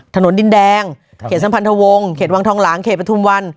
ถนนดินแดงเขตสัมพันธวงศ์เขตวังทองหลางเขตประทุมวัน